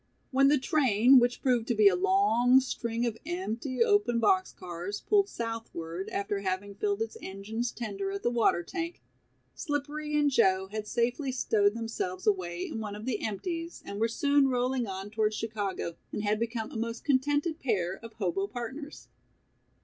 When the train, which proved to be a long string of empty, open box cars, pulled southward, after having filled its engine's tender at the water tank, Slippery and Joe had safely stowed themselves away in one of the "empties" and were soon rolling on towards Chicago, and had become a most contented pair of hobo partners.